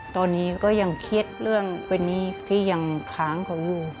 ตอนนี้ก็ยังเครียดเรื่องวันนี้ที่ยังค้างเขาอยู่